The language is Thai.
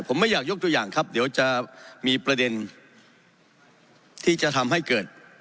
ผมไม่อยากยกตัวอย่างครับเดี๋ยวจะมีประเด็นที่จะทำให้เกิด